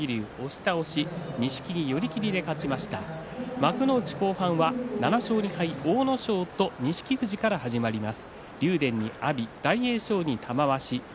幕内後半は７勝２敗阿武咲と錦富士から始まります。